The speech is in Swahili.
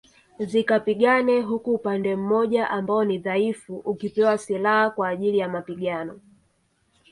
Zikapigane huku upande mmoja ambao ni dhaifu ukipewa silaha kwa ajili ya mapigano